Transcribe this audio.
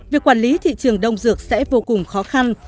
việc quản lý thị trường đông dược sẽ vô cùng khó khăn